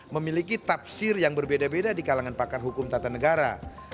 memiliki tafsir yang berbeda beda di kalangan pakar hukum tata negara